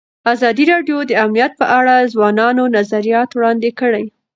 ازادي راډیو د امنیت په اړه د ځوانانو نظریات وړاندې کړي.